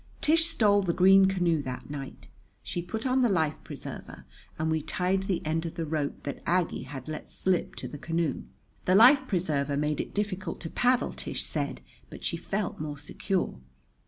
Tish stole the green canoe that night. She put on the life preserver and we tied the end of the rope that Aggie had let slip to the canoe. The life preserver made it difficult to paddle, Tish said, but she felt more secure.